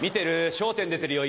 『笑点』出てるよ